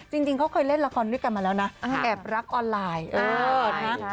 จริงเขาเคยเล่นละครด้วยกันมาแล้วนะแอบรักออนไลน์